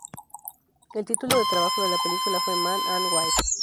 El título de trabajo de la película fue "Man and Wife".